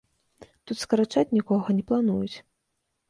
Тут скарачаць нікога не плануюць.